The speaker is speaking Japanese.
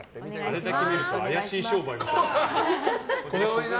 あれだけ見ると怪しい商売みたいだな。